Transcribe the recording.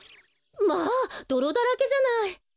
まあどろだらけじゃない。